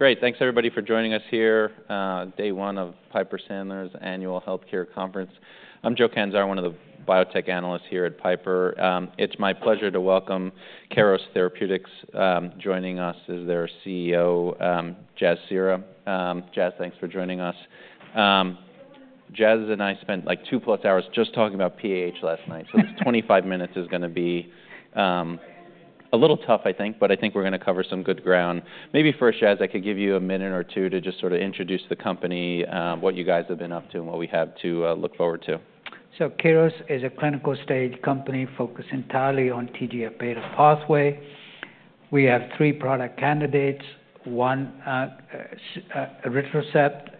Great. Thanks, everybody, for joining us here on day one of Piper Sandler's annual healthcare conference. I'm Joe Catanzaro, one of the biotech analysts here at Piper. It's my pleasure to welcome Keros Therapeutics joining us as their CEO, Jas Seehra. Jas, thanks for joining us. Jas and I spent like two-plus hours just talking about PAH last night. So this 25 minutes is going to be a little tough, I think, but I think we're going to cover some good ground. Maybe first, Jas, I could give you a minute or two to just sort of introduce the company, what you guys have been up to, and what we have to look forward to. Keros is a clinical-stage company focused entirely on TGF-beta pathway. We have three product candidates: one, elritercept,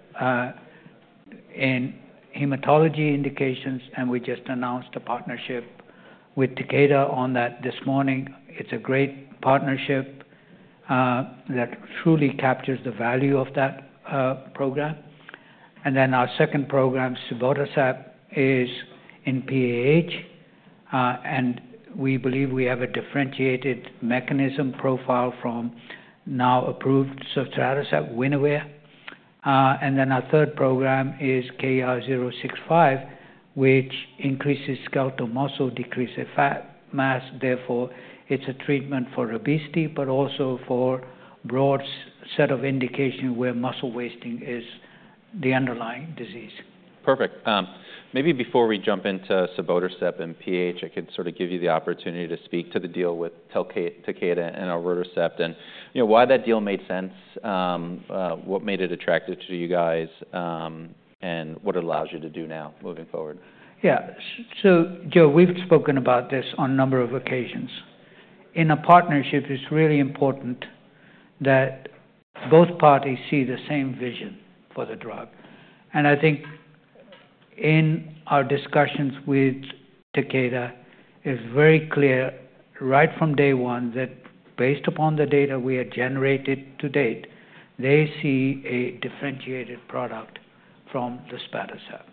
in hematology indications, and we just announced a partnership with Takeda on that this morning. It's a great partnership that truly captures the value of that program. Our second program, cibotercept, is in PAH, and we believe we have a differentiated mechanism profile from now approved sotatercept, WINREVAIR. Our third program is KER-065, which increases skeletal muscle, decreases fat mass. Therefore, it's a treatment for obesity, but also for a broad set of indications where muscle wasting is the underlying disease. Perfect. Maybe before we jump into cibotercept and PAH, I could sort of give you the opportunity to speak to the deal with Takeda and elritercept, and why that deal made sense, what made it attractive to you guys, and what it allows you to do now moving forward. Yeah. So, Joe, we've spoken about this on a number of occasions. In a partnership, it's really important that both parties see the same vision for the drug. And I think in our discussions with Takeda, it's very clear right from day one that based upon the data we had generated to date, they see a differentiated product from the sotatercept.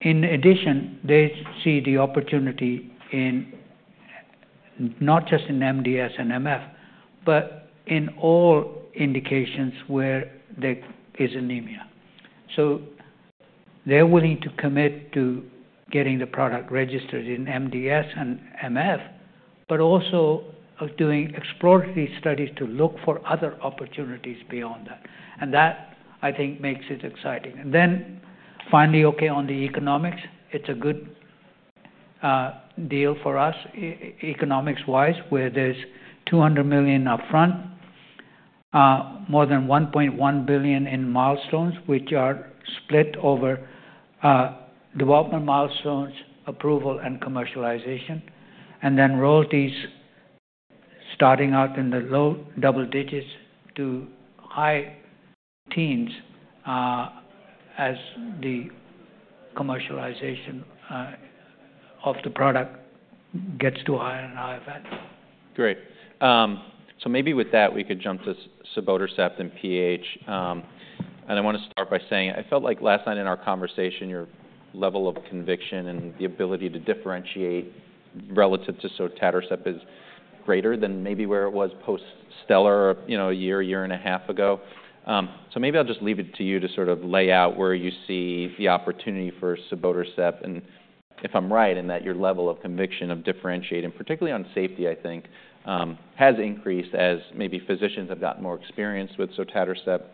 In addition, they see the opportunity not just in MDS and MF, but in all indications where there is anemia. So they're willing to commit to getting the product registered in MDS and MF, but also doing exploratory studies to look for other opportunities beyond that. And that, I think, makes it exciting. And then finally, okay, on the economics, it's a good deal for us economics-wise, where there's $200 million upfront, more than $1.1 billion in milestones, which are split over development milestones, approval, and commercialization. Royalties starting out in the low double digits to high teens as the commercialization of the product gets too high on IFN. Great. So maybe with that, we could jump to cibotercept and PAH. And I want to start by saying I felt like last night in our conversation, your level of conviction and the ability to differentiate relative to sotatercept is greater than maybe where it was post-Stellar a year, year and a half ago. So maybe I'll just leave it to you to sort of lay out where you see the opportunity for cibotercept. And if I'm right in that your level of conviction of differentiating, particularly on safety, I think, has increased as maybe physicians have gotten more experienced with sotatercept.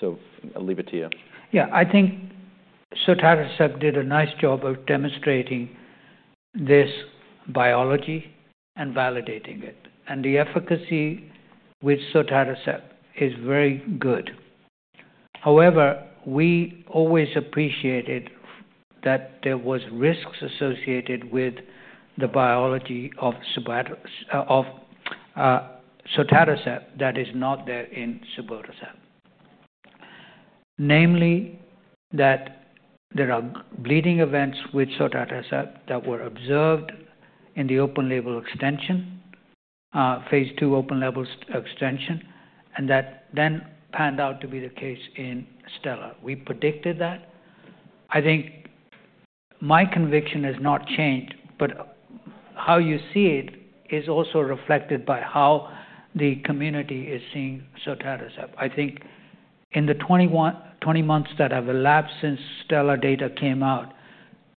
So I'll leave it to you. Yeah. I think sotatercept did a nice job of demonstrating this biology and validating it. And the efficacy with sotatercept is very good. However, we always appreciated that there were risks associated with the biology of sotatercept that is not there in cibotercept, namely that there are bleeding events with sotatercept that were observed in the open-label extension, phase two open-label extension, and that then panned out to be the case in Stellar. We predicted that. I think my conviction has not changed, but how you see it is also reflected by how the community is seeing sotatercept. I think in the 20 months that have elapsed since Stellar data came out,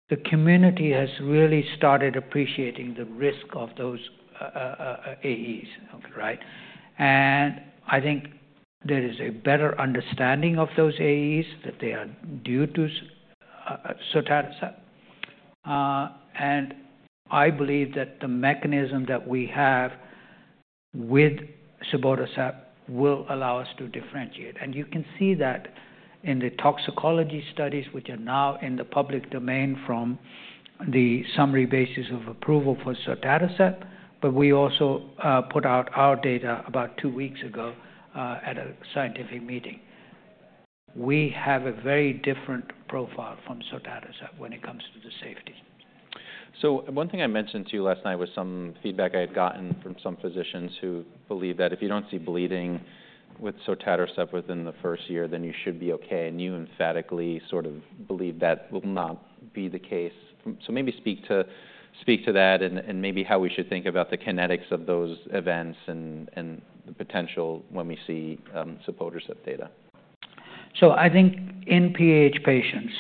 the community has really started appreciating the risk of those AEs, right? And I think there is a better understanding of those AEs that they are due to sotatercept. I believe that the mechanism that we have with cibotercept will allow us to differentiate. You can see that in the toxicology studies, which are now in the public domain from the summary basis of approval for sotatercept, but we also put out our data about two weeks ago at a scientific meeting. We have a very different profile from sotatercept when it comes to the safety. So one thing I mentioned to you last night was some feedback I had gotten from some physicians who believe that if you don't see bleeding with sotatercept within the first year, then you should be okay. And you emphatically sort of believe that will not be the case. So maybe speak to that and maybe how we should think about the kinetics of those events and the potential when we see cibotercept data. I think in PAH patients,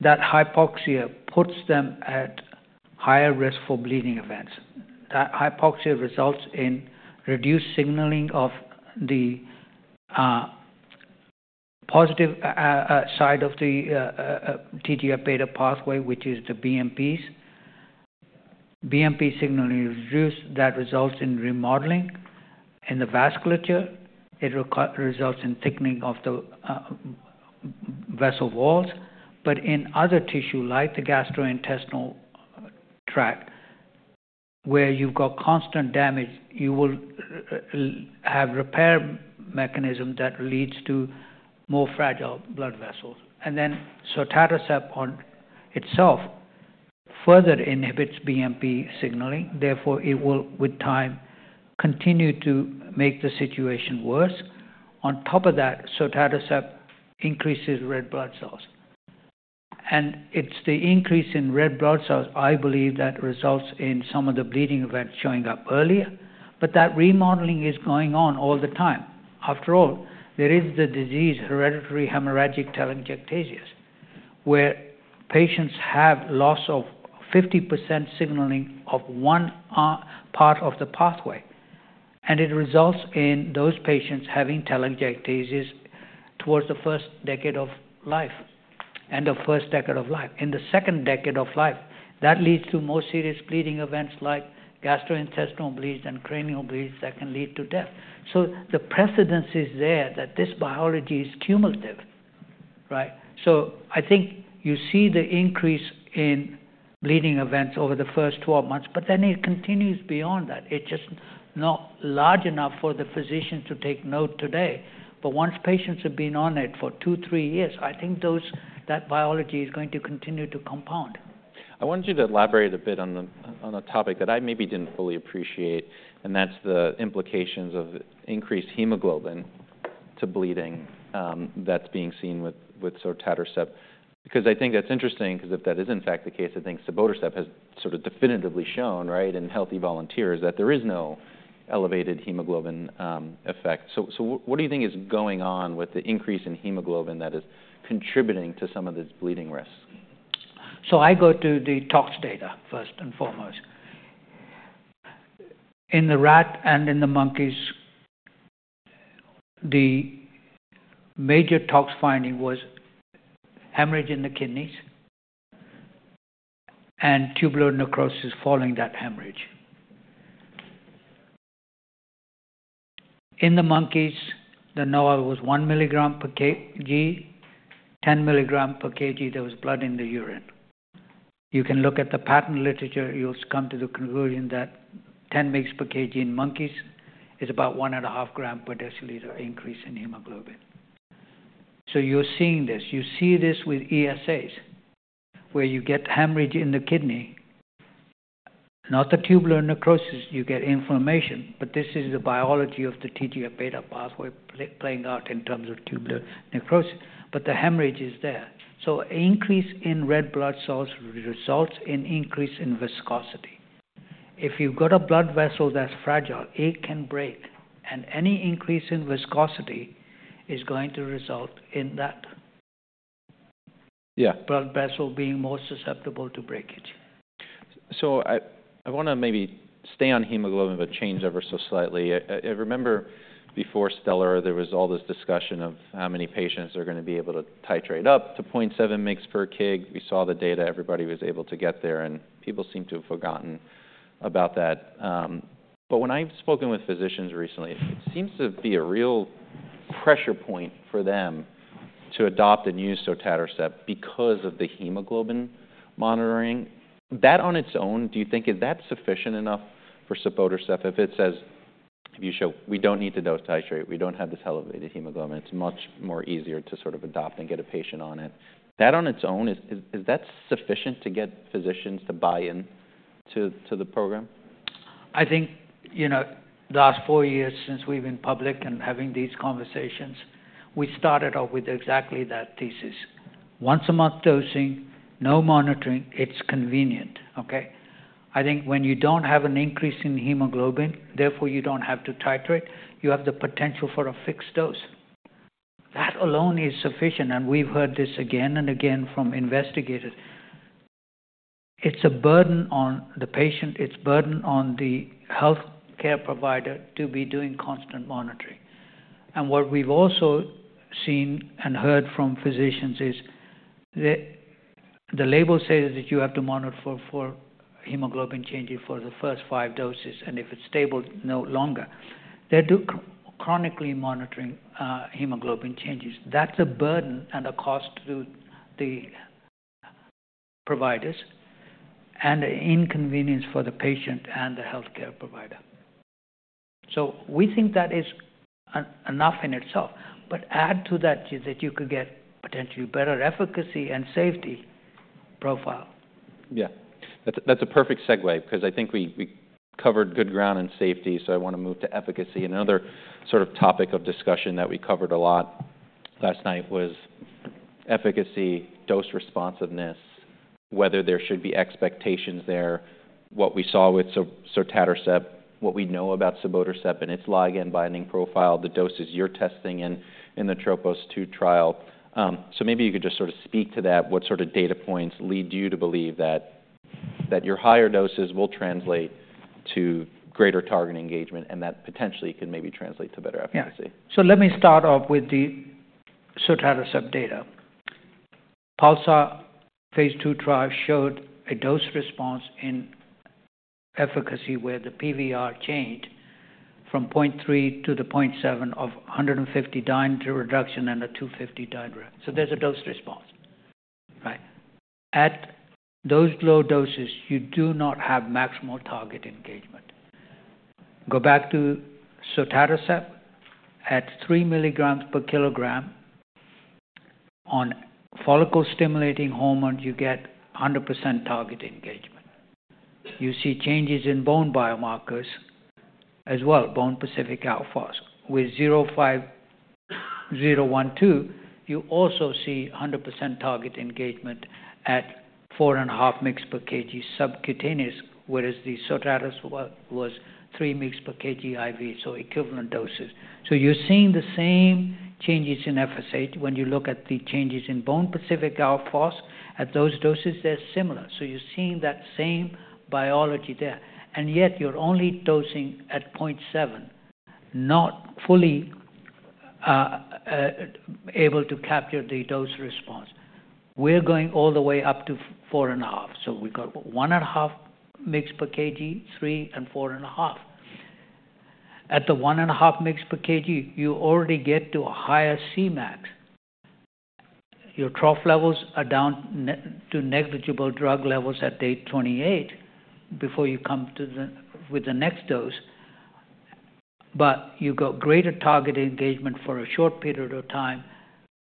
that hypoxia puts them at higher risk for bleeding events. That hypoxia results in reduced signaling of the positive side of the TGF-beta pathway, which is the BMPs. BMP signaling is reduced. That results in remodeling in the vasculature. It results in thickening of the vessel walls. But in other tissue, like the gastrointestinal tract, where you've got constant damage, you will have a repair mechanism that leads to more fragile blood vessels. And then sotatercept on itself further inhibits BMP signaling. Therefore, it will, with time, continue to make the situation worse. On top of that, sotatercept increases red blood cells. And it's the increase in red blood cells, I believe, that results in some of the bleeding events showing up earlier. But that remodeling is going on all the time. After all, there is the disease hereditary hemorrhagic telangiectasia, where patients have loss of 50% signaling of one part of the pathway. And it results in those patients having telangiectasias towards the first decade of life. In the second decade of life, that leads to more serious bleeding events like gastrointestinal bleeds and cranial bleeds that can lead to death. So the precedent is there that this biology is cumulative, right? So I think you see the increase in bleeding events over the first 12 months, but then it continues beyond that. It's just not large enough for the physicians to take note today. But once patients have been on it for two, three years, I think that biology is going to continue to compound. I wanted you to elaborate a bit on a topic that I maybe didn't fully appreciate, and that's the implications of increased hemoglobin to bleeding that's being seen with sotatercept. Because I think that's interesting because if that is, in fact, the case, I think cibotercept has sort of definitively shown, right, in healthy volunteers, that there is no elevated hemoglobin effect. So what do you think is going on with the increase in hemoglobin that is contributing to some of this bleeding risk? So I go to the tox data first and foremost. In the rat and in the monkeys, the major tox finding was hemorrhage in the kidneys and tubular necrosis following that hemorrhage. In the monkeys, the NOAEL was one milligram per kg, 10 milligrams per kg, there was blood in the urine. You can look at the patent literature. You'll come to the conclusion that 10 mg per kg in monkeys is about one and a half grams per deciliter increase in hemoglobin. So you're seeing this. You see this with ESAs, where you get hemorrhage in the kidney, not the tubular necrosis. You get inflammation. But this is the biology of the TGF-beta pathway playing out in terms of tubular necrosis. But the hemorrhage is there. So increase in red blood cells results in increase in viscosity. If you've got a blood vessel that's fragile, it can break. Any increase in viscosity is going to result in that blood vessel being more susceptible to breakage. I want to maybe stay on hemoglobin but change ever so slightly. I remember before Stellar, there was all this discussion of how many patients are going to be able to titrate up to 0.7 mg per kg. We saw the data. Everybody was able to get there, and people seem to have forgotten about that. But when I've spoken with physicians recently, it seems to be a real pressure point for them to adopt and use sotatercept because of the hemoglobin monitoring. That on its own, do you think that's sufficient enough for cibotercept? If it says, if you show, "We don't need to dose titrate. We don't have this elevated hemoglobin," it's much easier to sort of adopt and get a patient on it. That on its own, is that sufficient to get physicians to buy into the program? I think the last four years since we've been public and having these conversations, we started off with exactly that thesis. Once-a-month dosing, no monitoring. It's convenient, okay? I think when you don't have an increase in hemoglobin, therefore you don't have to titrate, you have the potential for a fixed dose. That alone is sufficient. And we've heard this again and again from investigators. It's a burden on the patient. It's a burden on the healthcare provider to be doing constant monitoring. And what we've also seen and heard from physicians is the label says that you have to monitor for hemoglobin changes for the first five doses, and if it's stable, no longer. They're chronically monitoring hemoglobin changes. That's a burden and a cost to the providers and an inconvenience for the patient and the healthcare provider. So we think that is enough in itself. But add to that is that you could get potentially better efficacy and safety profile. Yeah. That's a perfect segue because I think we covered good ground in safety. So I want to move to efficacy. And another sort of topic of discussion that we covered a lot last night was efficacy, dose responsiveness, whether there should be expectations there, what we saw with sotatercept, what we know about cibotercept and its ligand-binding profile, the doses you're testing in the TROPOS-2 trial. So maybe you could just sort of speak to that. What sort of data points lead you to believe that your higher doses will translate to greater target engagement and that potentially can maybe translate to better efficacy? Yeah. So let me start off with the sotatercept data. Pulsar phase 2 trial showed a dose response in efficacy where the PVR changed from 0.3 to the 0.7 of 150 dyne reduction and a 250 dyne reduction. So there's a dose response, right? At those low doses, you do not have maximal target engagement. Go back to sotatercept. At 3 milligrams per kilogram on follicle-stimulating hormone, you get 100% target engagement. You see changes in bone biomarkers as well, bone-specific alkaline phosphatase. With KER-012, you also see 100% target engagement at 4.5 mg per kg subcutaneous, whereas the sotatercept was 3 mg per kg IV, so equivalent doses. So you're seeing the same changes in FSH when you look at the changes in bone-specific alkaline phosphatase. At those doses, they're similar. So you're seeing that same biology there. And yet you're only dosing at 0.7, not fully able to capture the dose response. We're going all the way up to 4.5. So we've got 1.5 mgs per kg, 3, and 4.5. At the 1.5 mgs per kg, you already get to a higher C-Max. Your trough levels are down to negligible drug levels at day 28 before you come with the next dose. But you've got greater target engagement for a short period of time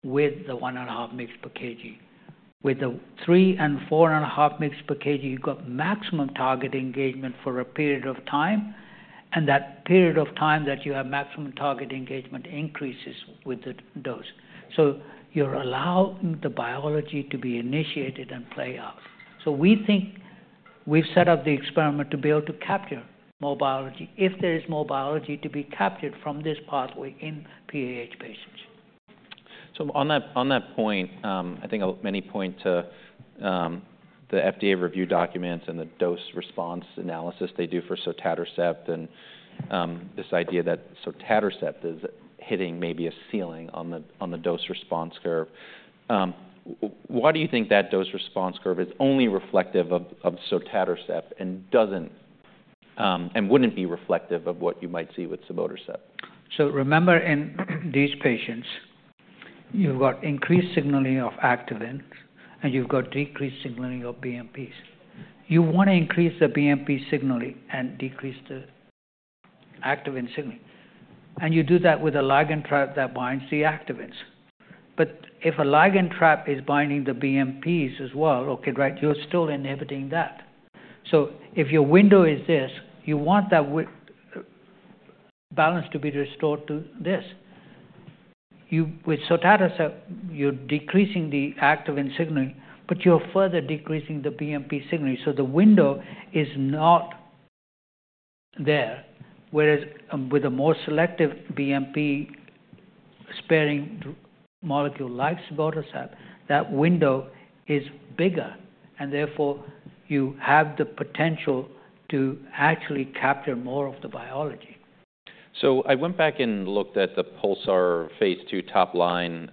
with the 1.5 mgs per kg. With the 3 and 4.5 mgs per kg, you've got maximum target engagement for a period of time. And that period of time that you have maximum target engagement increases with the dose. So you're allowing the biology to be initiated and play out. So we think we've set up the experiment to be able to capture more biology if there is more biology to be captured from this pathway in PAH patients. So on that point, I think many point to the FDA review documents and the dose response analysis they do for sotatercept and this idea that sotatercept is hitting maybe a ceiling on the dose response curve. Why do you think that dose response curve is only reflective of sotatercept and wouldn't be reflective of what you might see with cibotercept? So remember, in these patients, you've got increased signaling of activins, and you've got decreased signaling of BMPs. You want to increase the BMP signaling and decrease the activin signaling. And you do that with a ligand trap that binds the activins. But if a ligand trap is binding the BMPs as well, okay, right, you're still inhibiting that. So if your window is this, you want that balance to be restored to this. With sotatercept, you're decreasing the activin signaling, but you're further decreasing the BMP signaling. So the window is not there, whereas with a more selective BMP sparing molecule like cibotercept, that window is bigger. And therefore, you have the potential to actually capture more of the biology. So I went back and looked at the Pulsar phase 2 top-line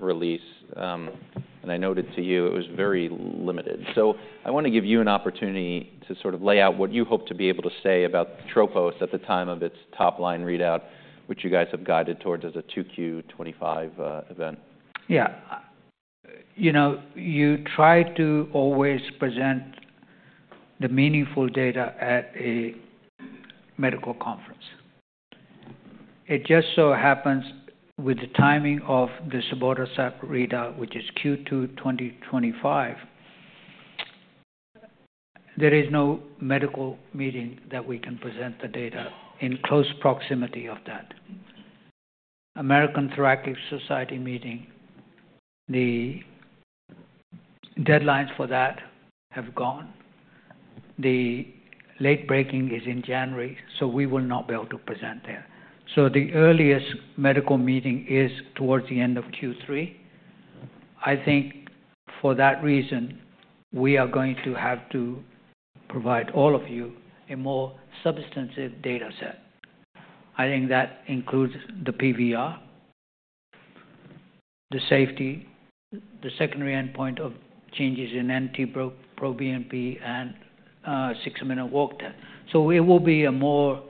release, and I noted to you it was very limited. So I want to give you an opportunity to sort of lay out what you hope to be able to say about TROPOS at the time of its top-line readout, which you guys have guided towards as a 2Q25 event. Yeah. You try to always present the meaningful data at a medical conference. It just so happens with the timing of the cibotercept readout, which is Q2 2025, there is no medical meeting that we can present the data in close proximity of that. American Thoracic Society meeting, the deadlines for that have gone. The late breaking is in January, so we will not be able to present there, so the earliest medical meeting is towards the end of Q3. I think for that reason, we are going to have to provide all of you a more substantive data set. I think that includes the PVR, the safety, the secondary endpoint of changes in NT-proBNP and six-minute walk test, so it will be a more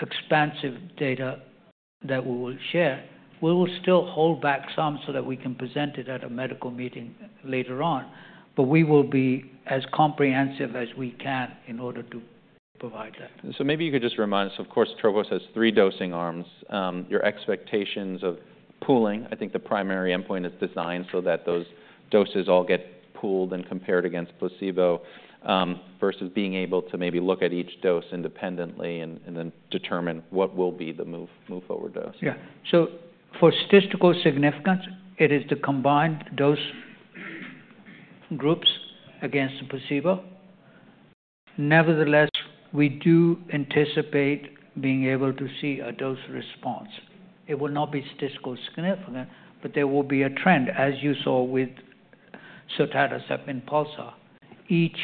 expansive data that we will share. We will still hold back some so that we can present it at a medical meeting later on, but we will be as comprehensive as we can in order to provide that. Maybe you could just remind us, of course, TROPOS has three dosing arms. Your expectations of pooling, I think the primary endpoint is designed so that those doses all get pooled and compared against placebo versus being able to maybe look at each dose independently and then determine what will be the move-forward dose. Yeah. So for statistical significance, it is the combined dose groups against the placebo. Nevertheless, we do anticipate being able to see a dose response. It will not be statistically significant, but there will be a trend, as you saw with sotatercept and Pulsar. Each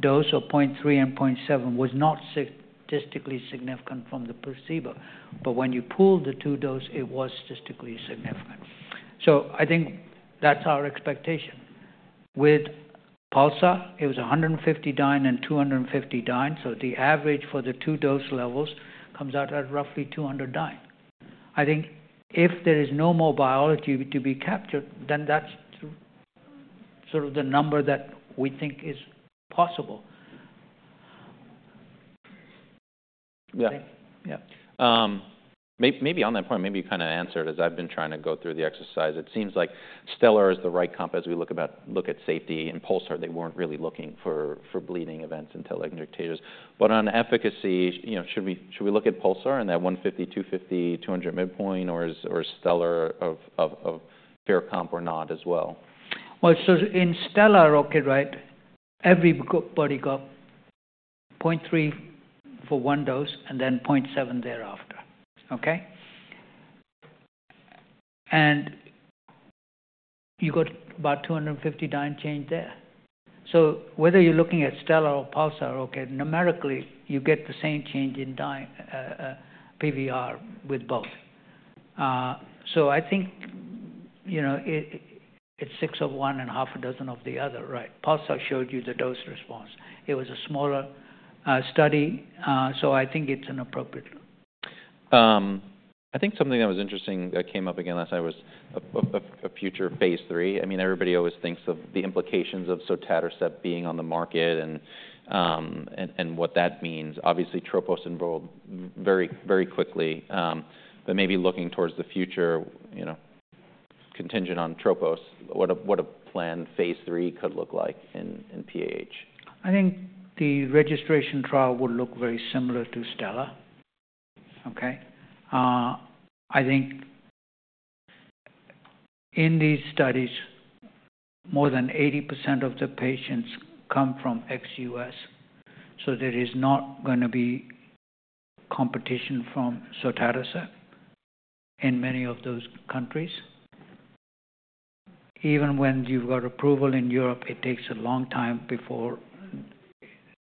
dose of 0.3 and 0.7 was not statistically significant from the placebo. But when you pool the two doses, it was statistically significant. So I think that's our expectation. With Pulsar, it was 150 dyne and 250 dyne. So the average for the two dose levels comes out at roughly 200 dyne. I think if there is no more biology to be captured, then that's sort of the number that we think is possible. Maybe on that point, maybe you kind of answered as I've been trying to go through the exercise. It seems like Stellar is the right comp as we look at safety. In Pulsar, they weren't really looking for bleeding events and telangiectasias. But on efficacy, should we look at Pulsar in that 150, 250, 200 midpoint, or is Stellar a fair comp or not as well? Well, so in Stellar, okay, right, everybody got 0.3 for one dose and then 0.7 thereafter, okay? And you got about 250 dyne change there. So whether you're looking at Stellar or Pulsar, okay, numerically, you get the same change in PVR with both. So I think it's six of one and half a dozen of the other, right? Pulsar showed you the dose response. It was a smaller study, so I think it's an appropriate look. I think something that was interesting that came up again last night was a future phase 3. I mean, everybody always thinks of the implications of sotatercept being on the market and what that means. Obviously, TROPOS enrolled very quickly. But maybe looking towards the future, contingent on TROPOS, what a planned phase 3 could look like in PAH? I think the registration trial would look very similar to Stellar, okay? I think in these studies, more than 80% of the patients come from ex-U.S. So there is not going to be competition from sotatercept in many of those countries. Even when you've got approval in Europe, it takes a long time before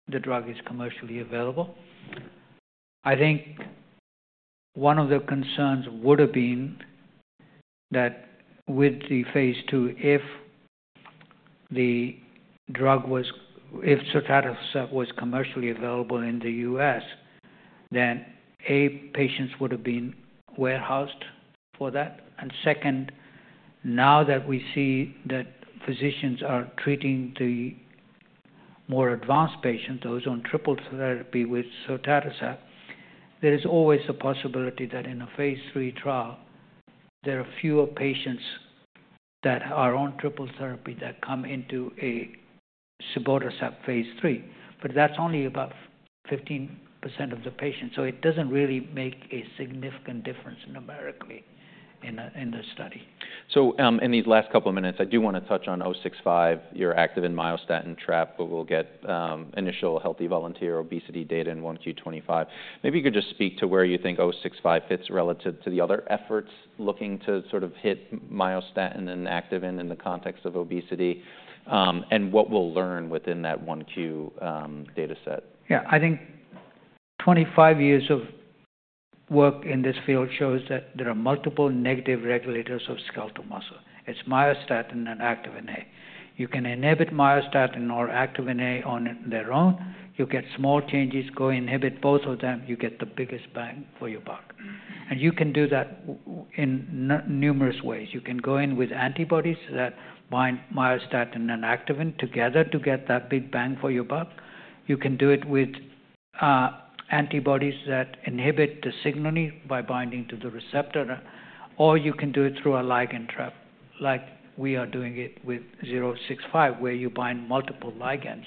the drug is commercially available. I think one of the concerns would have been that with the phase 2, if sotatercept was commercially available in the U.S., then A, patients would have been warehoused for that. And second, now that we see that physicians are treating the more advanced patients, those on triple therapy with sotatercept, there is always a possibility that in a phase 3 trial, there are fewer patients that are on triple therapy that come into a cibotercept phase 3. But that's only about 15% of the patients. It doesn't really make a significant difference numerically in the study. In these last couple of minutes, I do want to touch on 065, your Activin-Myostatin trap, but we'll get initial healthy volunteer obesity data in 1Q25. Maybe you could just speak to where you think 065 fits relative to the other efforts looking to sort of hit myostatin and Activin in the context of obesity and what we'll learn within that 1Q data set. Yeah. I think 25 years of work in this field shows that there are multiple negative regulators of skeletal muscle. It's myostatin and Activin A. You can inhibit myostatin or Activin A on their own. You get small changes, go inhibit both of them, you get the biggest bang for your buck. And you can do that in numerous ways. You can go in with antibodies that bind myostatin and Activin together to get that big bang for your buck. You can do it with antibodies that inhibit the signaling by binding to the receptor, or you can do it through a ligand trap like we are doing it with 065, where you bind multiple ligands: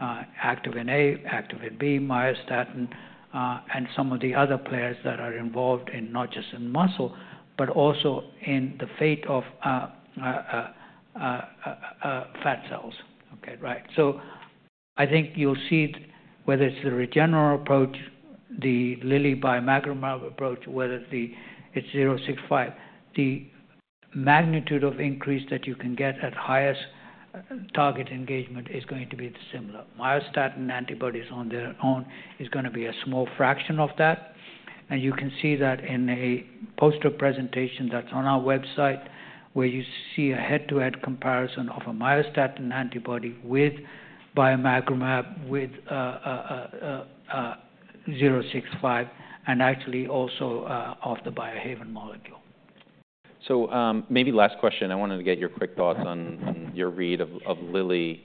Activin A, Activin B, myostatin, and some of the other players that are involved in not just in muscle, but also in the fate of fat cells, okay, right? I think you'll see whether it's the Regeneron approach, the Lilly bimagrumab approach, whether it's 065, the magnitude of increase that you can get at highest target engagement is going to be similar. Myostatin antibodies on their own is going to be a small fraction of that. And you can see that in a poster presentation that's on our website where you see a head-to-head comparison of a myostatin antibody with bimagrumab with 065 and actually also of the Biohaven molecule. Maybe last question. I wanted to get your quick thoughts on your read of Lilly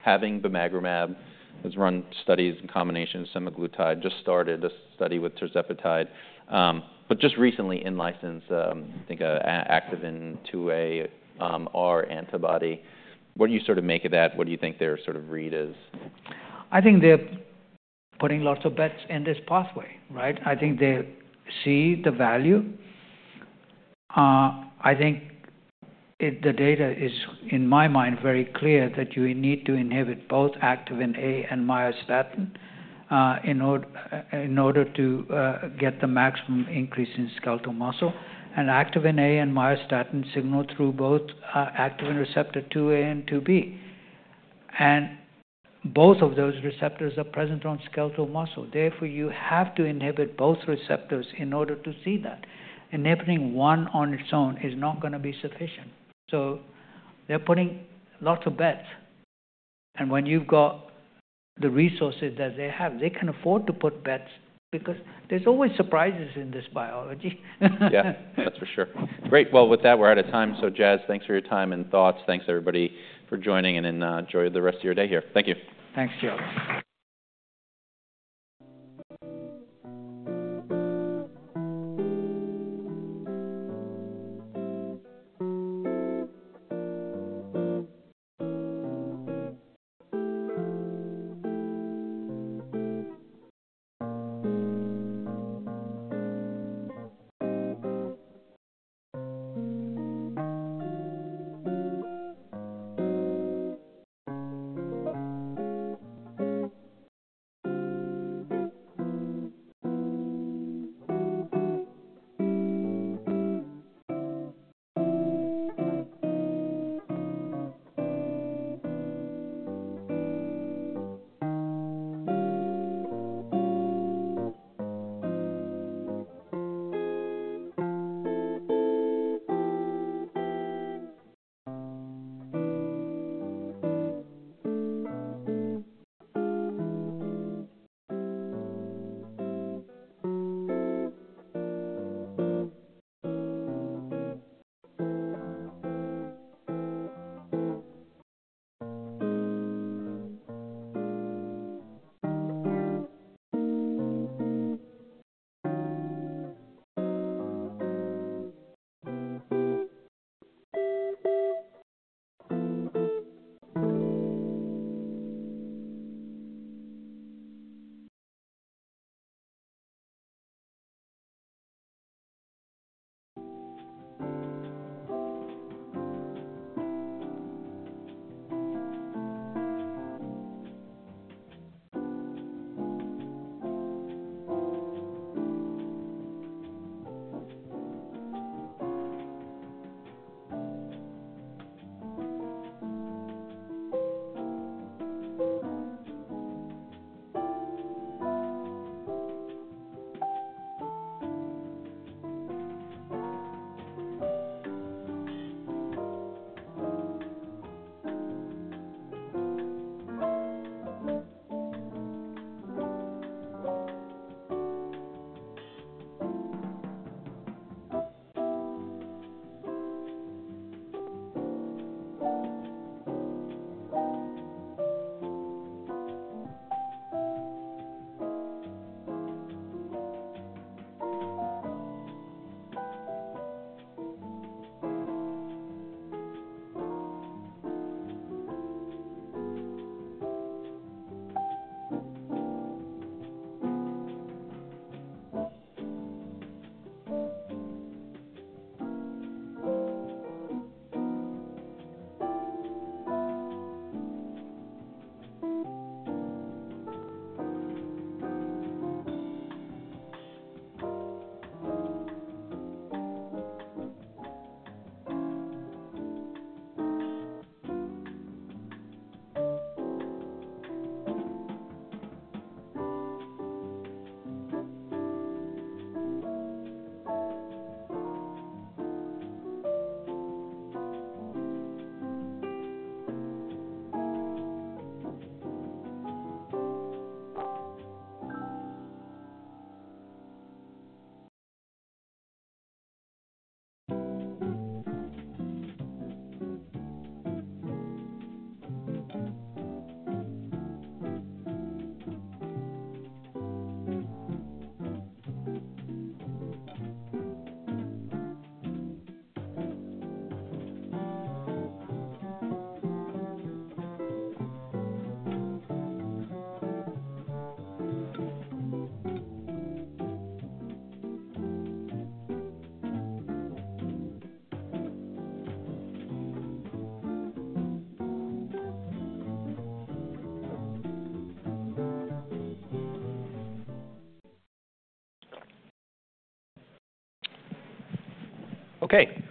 having bimagrumab. Has run studies in combination with semaglutide. Just started a study with tirzepatide. But just recently in license, I think Activin 2AR antibody. What do you sort of make of that? What do you think their sort of read is? I think they're putting lots of bets in this pathway, right? I think they see the value. I think the data is, in my mind, very clear that you need to inhibit both Activin A and myostatin in order to get the maximum increase in skeletal muscle. And Activin A and myostatin signal through both Activin receptor 2A and 2B. And both of those receptors are present on skeletal muscle. Therefore, you have to inhibit both receptors in order to see that. Inhibiting one on its own is not going to be sufficient. So they're putting lots of bets. And when you've got the resources that they have, they can afford to put bets because there's always surprises in this biology. Yeah, that's for sure. Great. Well, with that, we're out of time. So, Jas, thanks for your time and thoughts. Thanks, everybody, for joining and enjoy the rest of your day here. Thank you. Thanks, Joe.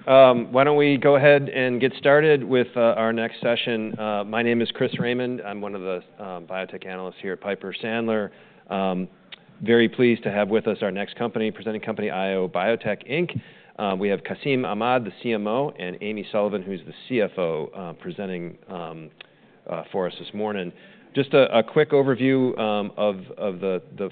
Okay. Why don't we go ahead and get started with our next session? My name is Chris Raymond. I'm one of the biotech analysts here at Piper Sandler. Very pleased to have with us our next company, presenting company IO Biotech Inc. We have Qasim Ahmad, the CMO, and Amy Sullivan, who's the CFO, presenting for us this morning. Just a quick overview of the.